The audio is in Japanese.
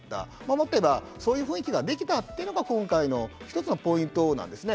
もっと言えばそういう雰囲気ができたというのが今回の一つのポイントなんですね。